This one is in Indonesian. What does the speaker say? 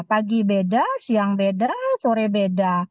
pagi beda siang beda sore beda